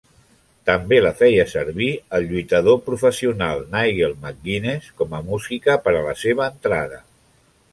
També la feia servir el lluitador professional Nigel McGuinness com a música per a la seva entrada.